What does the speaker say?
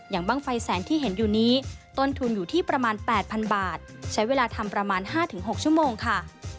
บ้างไฟแสนที่เห็นอยู่นี้ต้นทุนอยู่ที่ประมาณ๘๐๐๐บาทใช้เวลาทำประมาณ๕๖ชั่วโมงค่ะ